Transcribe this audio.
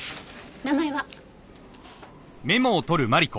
名前は？